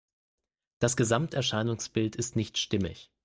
Das Gesamterscheinungsbild ist nicht stimmig.